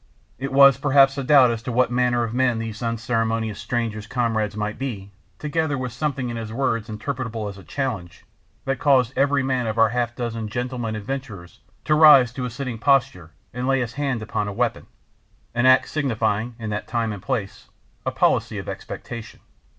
It was perhaps a doubt as to what manner of men this unceremonious stranger's comrades might be, together with something in his words interpretable as a challenge, that caused every man of our half dozen "gentlemen adventurers" to rise to a sitting posture and lay his hand upon a weapon—an act signifying, in that time and place, a policy of expectation.